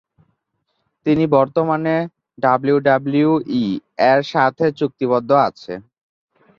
তিনি বর্তমানে ডাব্লিউডাব্লিউই-এর সাথে চুক্তিবদ্ধ আছে।